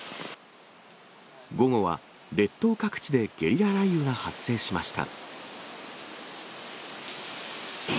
午後は列島各地でゲリラ雷雨が発生しました。